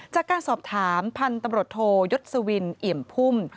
จากการสอบถามพันธุ์ตำรวจโทยศวินเอี่ยมพุ่ม